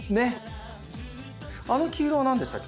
あの黄色は何でしたっけ？